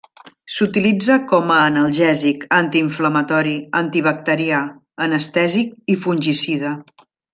S'utilitza com analgèsic, antiinflamatori, antibacterià, anestèsic i fungicida.